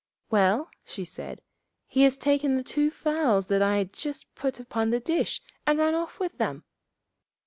'Well,' she said, 'he has taken the two fowls that I had just put upon the dish, and run off with them.'